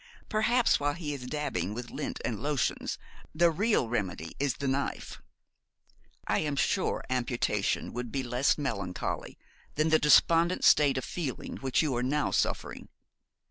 Perhaps while he is dabbing with lint and lotions the real remedy is the knife. I am sure amputation would be less melancholy than the despondent state of feeling which you are now suffering.